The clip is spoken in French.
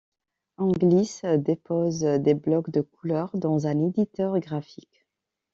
On glisse-dépose des blocs de couleur dans un éditeur graphique.